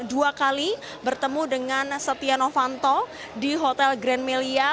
dua kali bertemu dengan setia novanto di hotel grand melia